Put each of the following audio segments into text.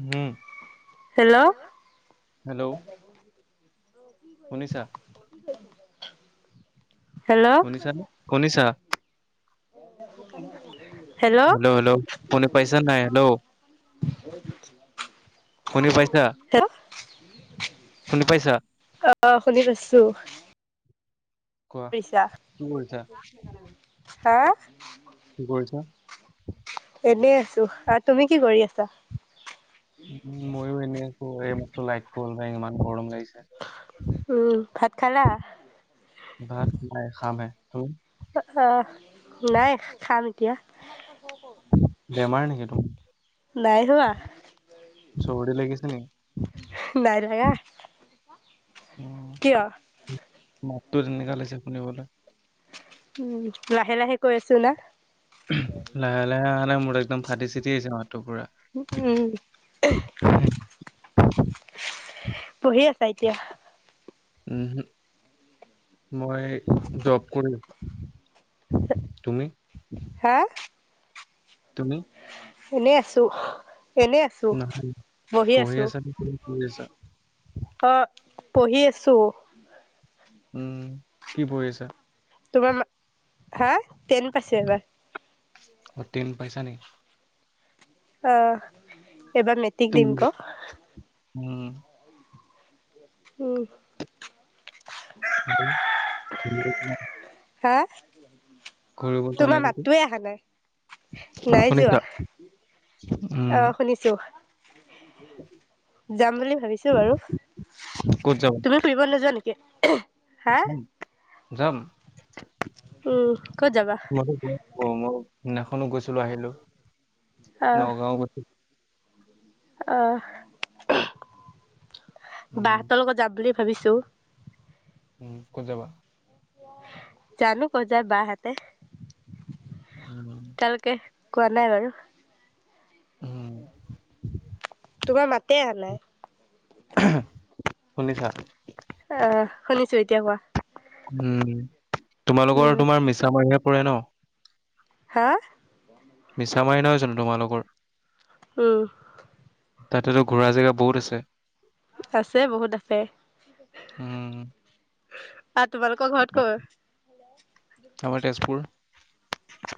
উম! Hello? Hello শুনিছা? Hello শুনিছা নে, শুনিছা? হেল্ল'! হেল্ল'! শুনি পাইছা নাই? হেল্ল'! [unintelligible] শুনি পাইছা? হেল্ল' শুনি পাইছা? অ'! শুনি পাইছোঁ। কোৱা, কি কৰিছা? হা কি কৰিছা? [inaudible] শুনি আছোঁ আৰু তুমি কি কৰি আছা? উম! মইও এনেই আছোঁ। এইমাত্ৰ লাইট গ'ল, ইমান গৰম লাগিছে! উম! ভাত খালা? ভাত? নাই খামহে। তুমি? অ' অ'! নাই, খাম এতিয়া। বেমাৰ নেকি তোমাৰ? নাই হোৱা চৰ্দি লাগিছে নেকি? নাই ধৰা। কিয়? তো জেনেকা লাগিছে শুনিবলে? উম! লাহে লাহে কৈ আছোঁ না? লাহে লাহে আহা নাই, মোৰ একদম ফাটি চিটি আহিছে মাত। উম! [unintelligible] পঢ়ি আছা এতিয়া? ওহোঁ! মই জব কৰোঁ। তুমি? হা! তুমি? এনেই আছোঁ। এনেই আছোঁ, নহয়, বহি পঢ়ি আছোঁ। আছা নে কিবা কৰি আছা? অ'! পঢ়ি আছোঁ। উম! কি পঢ়িছা? তোমাৰ মা হা টেন পাইছে এবাৰ। টেন পইচা নি। আহ এইবাৰ মেটিক দিম ক। উম। উম। হেল্ল। হা! যোৱা তোমাৰ নাই ক'তো? মাতটোৱে আহা নাই, নাই যোৱা। শুনিছা? উম, অ শুনিছো? যাম বুলি ভাবিছো বাৰু। ক'ত যাবা? তুমি ফুৰিব নযোৱা নি কি ইহি? যাম। উম ক'ত যাবা ম- মই সেইদিনাখনো গৈছিলো আহিলো, নগাঁও গৈ অ, উম, বাহতৰ লগত যাম বুলি ভাবিছোঁ। উম কত যাবা? জানো কত যায় বাহেতে? উম, এতিয়ালৈকে কোৱা নাই বাৰু। উম, তোমাৰ মাতে আহা নাই? আহা শুনিছা? আহ শুনিছো এতিয়া কোৱা? উম, তোমালোকৰ উম তোমাৰ মিছা মাৰিহে পৰে ন? হা! মিছা মাৰি নহয় জানো তোমালোকৰ? উম। তাতেতো ঘূৰা জেগা বহুত আছে। আছে বহুত আছে। উম, আৰু তোমালোকৰ ঘৰত কত? আমাৰ তেজপুৰ।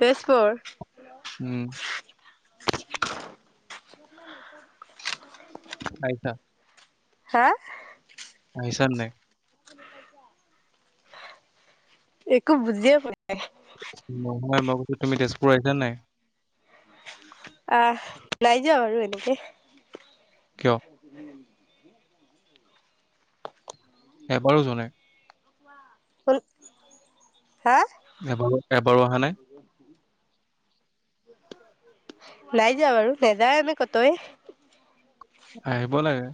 তেজপুৰ। উম, [unintelligible] [inaudible] আহিছা হা আহিছা নাই [unintelligible] [inaudible] একো বুজিয়ে পোৱা নাই নহয় মই কৈছো তুমি তেজপুৰ আহিছা নাই? আহ নাই যোৱা বাৰু এনেকে। কিয়? এবাৰো যোৱা নাই। হুন হা! এবাৰো, এবাৰো অহা নাই। নাই যোৱা বাৰু নাযাওঁ আমি কতোৱেই? আহিব লাগে।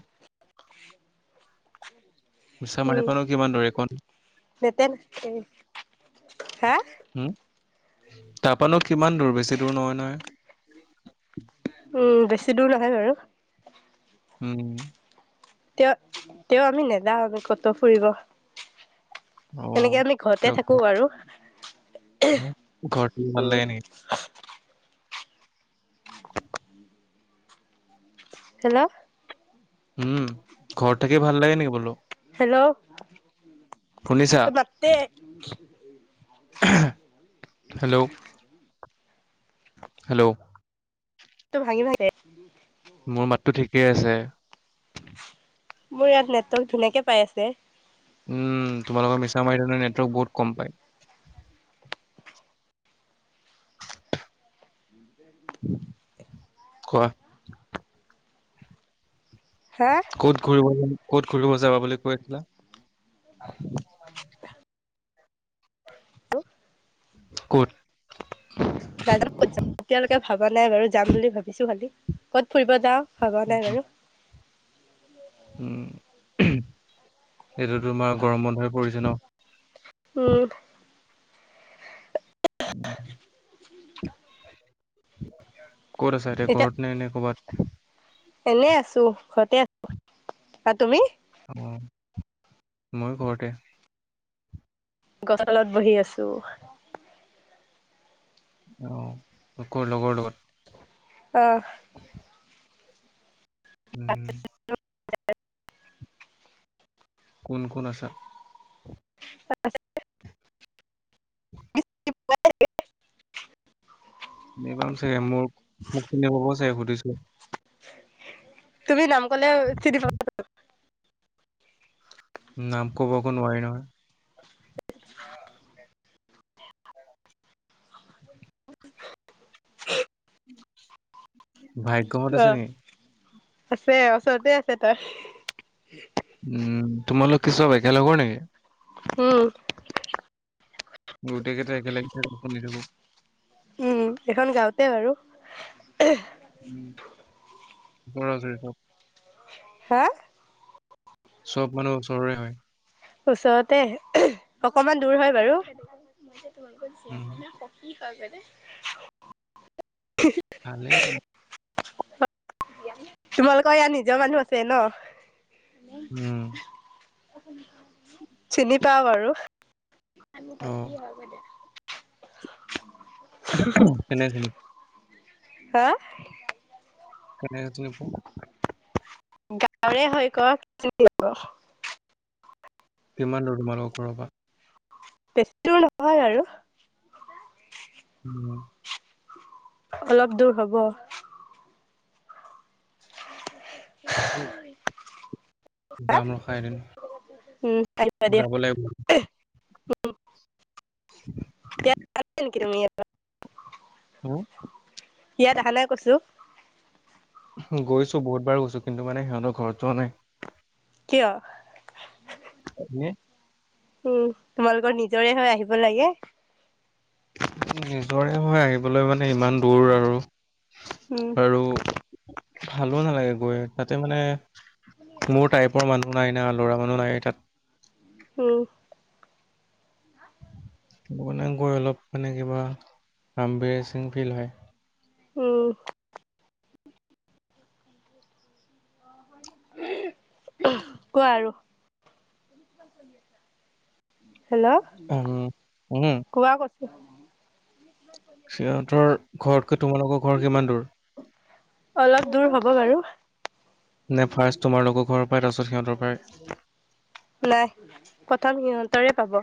মিছা মাৰি উম পা নো কিমান দূৰ একঘণ নেতেন হা উম। তা পা নো কিমান দূৰ বেছি দূৰ নহয় নহয়। উম বেছি দূৰ নহয় বাৰু। হুম। তেওঁ- তেওঁ আমি নেযাওঁ আমি কত ফুৰিব। অ এনেকে আমি ঘৰতে কিয় থাকো ঘৰত বাৰু। ঘৰত পালে হে নেকি? হেল্ল'? উম, ঘৰত থাকি ভাল লাগে নেকি বোলো? শুনিছা এহ মাত দে এহে হেল্ল'! হেল্ল'! টো ভাঙি ভালে মোৰ মাতটো ঠিকেই আছে। মোৰ ইয়াত নেটৱৰ্ক ধুনীয়াকে পাই আছে। উম তোমালোকৰ মিছামাৰীত হেনো বহুত কম পায়। [inaudible] কোৱা হা ক'ত ঘূৰিব ক'ত ঘূৰিব যাবা বুলি কৈছিলা। [inaudible] ক'ত নাজানো ক'ত যাম এতিয়ালৈকে ভবা নাই বাৰু যাম বুলি ভাবিছো খালি ক'ত ফুৰিব যাওঁ ভবা নাই বাৰু উম সেইটো তোমাৰ গৰম বন্ধ হৈ পৰিছে ন উম। [unintelligible] [inaudible] ক'ত আছে এতিয়া ঘৰত নে নে ক'ৰবাত এনে আছোঁ ঘৰতে আছোঁ আৰু তুমি অঁ মইও ঘৰতে গছ তলত বহি আছোঁ। অহ কৰ লগৰ লগত অহ। [inaudible] উম। কোন কোন আছা। ত [unintelligible] [inaudible] ব [unintelligible] চিনি পাম চাগে মোক মোক চিনি পাব চাগে সুধিছোঁ। তুমি নাম কলে চিনি পাব চাগে নাম কব ক নোৱাৰি নহয়। ভাগ্যমত আছে অ নেকি? আছে ওচৰতে আছে তাৰ উম তোমালোক কি চব একে লগৰ নেকি? উম। গোটেই কেইটা একেলগে থাকি শুনি থাকোঁ। উম এখন গাওঁতে বাৰু উ চৰাচৰি চব [unintelligible] হা চব মানুহ ওচৰৰে হয়। ওচৰতে অকমান দূৰ হয় বাৰু উম, হয়নে ভালে তোমালোকৰ ইয়াৰ নিজৰ মানুহ আছে ন উম। চিনি পাওঁ বাৰু [inaudible] অ'। কেনে চিনি পোৱা হা [unintelligible] [inaudible] গাঁৱৰে হৈ ক [unintelligible] কিমান দূৰ তোমালোকৰ ঘৰপা বেছি দুৰ নহয় আৰু উম, অলপ দূৰ হব উম হা উম আহিবা দিয়া। যাব লাগিব। [unintelligible] উম, ইয়াত আহা নাই কৈছো। গৈছো বহুত বাৰ গৈছো কিন্তু মানে সিহঁতৰ ঘৰত যোৱা নাই। কিয়? এনেই। উম তোমালোকৰ নিজৰে হয় আহিব লাগে। নিজৰে মই আহিবলৈ মানে ইমান দূৰ আৰু। উম আৰু ভালো নালাগে গৈ তাতে মানে মোৰ টাইপৰ মানুহ নাই না ল'ৰা মানুহ নাই তাত। হম। মানে গৈ অলপ মানে কিবা [unintelligible] ফিল হয়। উম। কোৱা আৰু [unintelligible] উম উম। [inaudible] সিহঁতৰ ঘৰতকৈ তোমালোকৰ ঘৰ কিমান দূৰ? অলপ দূৰ হ'ব বাৰু। নে ফাৰ্ষ্ট তোমালোকৰ ঘৰ পাই তাৰপাছত সিহঁতৰ পায়? নাই প্ৰথম সিহঁতৰে পাব।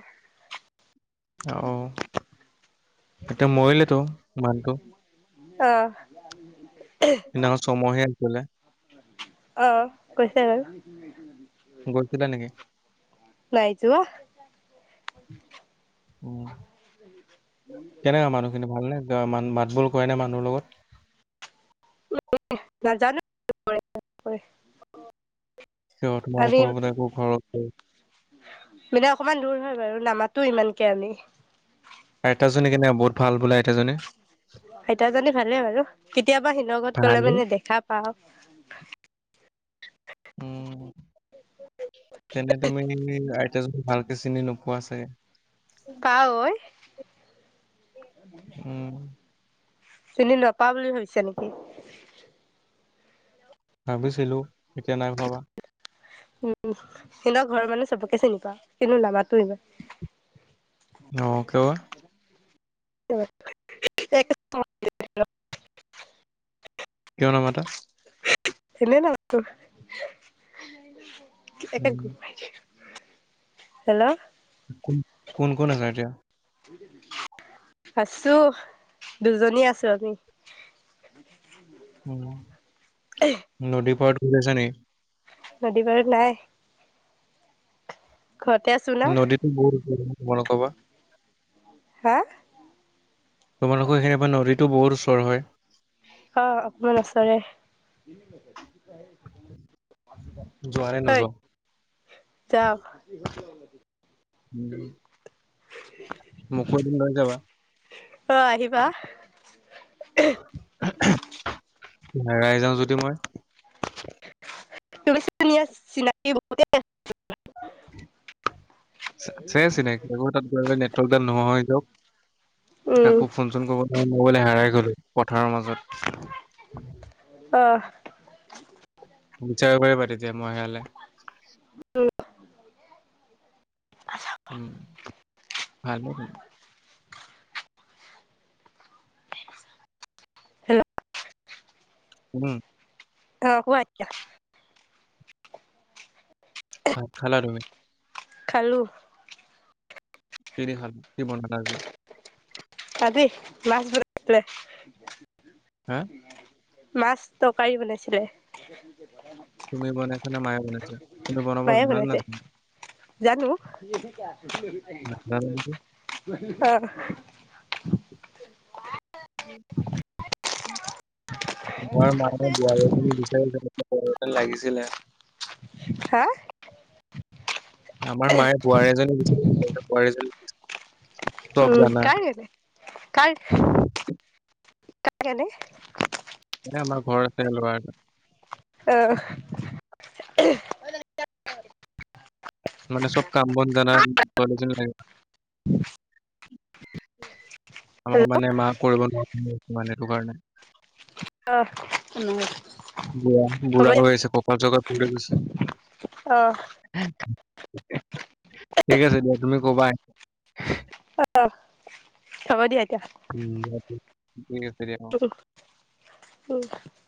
অহ। এতিয়া মৰিলেতো মানুহটো। অ সিদিনাখন ছমহীয়া আছিলে অ কৈছে বাৰু। গৈছিলা নেকি নাই যোৱা উ কেনেকা মানুহখিনি ভাল নে মান মাত বুল কৰে নে মানুহ লগত নাজানো কৰে নকৰে কিয় আমি তোমালোকৰ বোলে একো ঘৰত মানে অকমান দূৰ হয় বাৰু নামাতো ইমানকে আমি। আইতাজনী কেনে বহুত ভাল বোলো আইতাজনী? আইতাজানী ভালে বাৰু কেতিয়াবা সিলগত গলে ভালে মানে দেখা পাওঁ। [unintelligible] উম তেনে তুমি তে ভালকে চিনি নোপোৱা চাগে? পাওঁ ঐ। উম চিনি নাপাওঁ বুলি ভাবিছা নেকি? ভাবিছিলো এতিয়া নাই ভাবা। উম সিতৰ ঘৰৰ মানুহ চবকে চিনি পাওঁ কিন্তু নামাতো। ইমান অ কিয় বা? এক [unintelligible] কিয় নামাটা? এনেই নামটো উম [inaudible] হেল্ল। কোন কোন কোন আছা এতিয়া আছো দুজনী আছো আমি। [inaudible] উ নদী পাৰত বহি আছে নেকি? নদী পাৰত নাই। ঘৰতে আছো না নদীতটো বহুত মন ক'বা হা তোমালোকৰ সেইখিনিপা নদীতটো বহৰ ওচৰ হয়। আহ অকমান ওচৰয়ে। যোৱা নে নোযোৱা হয় যাওক [unintelligible] উম মোকো এদিন লৈ যাবা। এহ হেৰাই যাওঁ যদি মই চিনাকি বহুতে আছে চিনাকি। আকৌ তাত গৈ পেলাই নেটৱৰ্কডাল নোহোৱা হৈ যাওক। উম কাকো ফোন চোন কৰিব নোৱাৰিম মোবাইল হেৰাই গ'ল পথাৰৰ মাজত। অ বিচাৰিব পাৰিবা তেতিয়া মই হেৰালে? উম ভাল হেল্লো' উম আহ কোৱা এতিয়া। ভাত খালা তুমি? খালো কি হে দি খালা?, কি বনোৱা হৈছে? মাছ বইল কৰি হা? পেলাই। মাছ তৰকাৰী বনাইছিলে। তুমি বনাইছা নে মায়ে বনাইছে? তুমি বনাব মায়ে জানা বনাইছে নাজানা? জানো অহ নাজানা নেকি? উম উম আমাৰ মায়ে বোৱাৰী এজনী বিচাৰিছিল বোৱাৰী এজনী লাগিছিলে। হা আমাৰ মায়ে বোৱাৰী এজনী বিছাৰিছিল। বোৱাৰীজনী এজনী লাগিছিলে। উম কাই গতে কাই কাৰ কাৰণে? এ আমাৰ ঘৰত আছে ল'ৰা এটা। আহ [unintelligible] মানে চব কাম বন জনা ছোৱালী এজনী লাগে। [inaudible] আমাৰ হেল্ল' মানে মা কৰিব নোৱাৰা হৈছে সেইটো কাৰণে। আহ হয় জানো। বুঢ়া বুঢ়া হৈ আহিছে ককাল চকাল পৰি গৈছে। আহ ঠিক আছে দিয়া তুমি কবাই হ'ব দিয়া এতিয়া। উ উম [unintelligible]